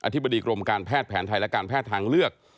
ธิบดีกรมการแพทย์แผนไทยและการแพทย์ทางเลือก